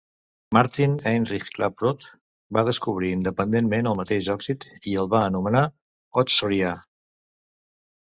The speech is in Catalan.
Martin Heinrich Klaproth va descobrir independentment el mateix òxid i el va anomenar "ochroia".